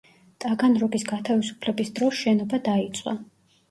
ტაგანროგის გათავისუფლების დროს შენობა დაიწვა.